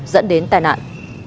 dẫn đến tai nạn